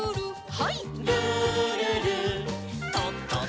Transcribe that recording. はい。